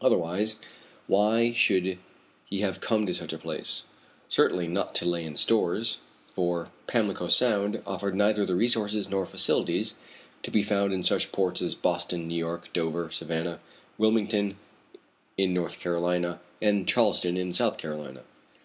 Otherwise why should he have come to such a place? Certainly not to lay in stores, for Pamlico Sound offered neither the resources nor facilities to be found in such ports as Boston, New York, Dover, Savannah, Wilmington in North Carolina, and Charleston in South Carolina.